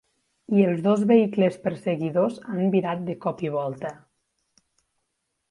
I els dos vehicles perseguidors han virat de cop i volta.